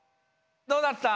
どうだった？